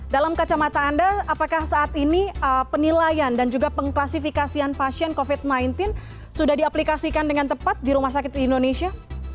dalam kacamata anda apakah saat ini penilaian dan juga pengklasifikasian pasien covid sembilan belas sudah diaplikasikan dengan tepat di rumah sakit di indonesia